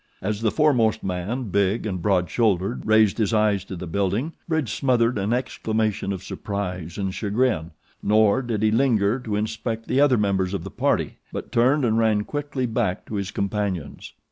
As the foremost man, big and broad shouldered, raised his eyes to the building Bridge smothered an exclamation of surprise and chagrin, nor did he linger to inspect the other members of the party; but turned and ran quickly back to his companions.